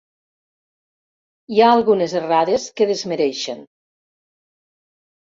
Hi ha algunes errades que desmereixen.